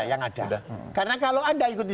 yang ada karena kalau anda ikuti